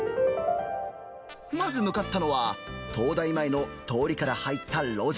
まず向かったのは、東大前の通りから入った路地。